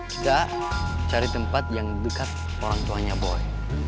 tidak cari tempat yang dekat orang tuanya boy